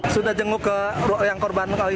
sudah jenguk ke ruang korban kali ini